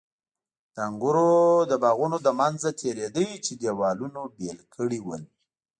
د انګورو د باغونو له منځه تېرېده چې دېوالونو بېل کړي ول.